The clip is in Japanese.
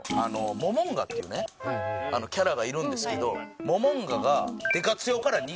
モモンガっていうねキャラがいるんですけどモモンガがでかつよから逃げて。